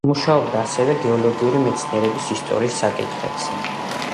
მუშაობდა ასევე გეოლოგიური მეცნიერების ისტორიის საკითხებზე.